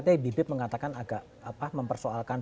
di bip mengatakan agak mempersoalkan